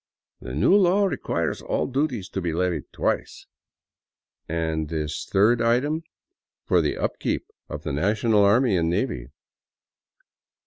" The new law requires all duties to be levied twice." "And this third item?" " For the up keep of the national army and navy."